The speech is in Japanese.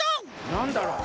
なんだろう？